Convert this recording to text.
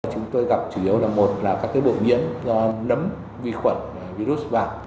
chúng tôi gặp chủ yếu là một là các bộ nhiễm do nấm vi khuẩn virus vào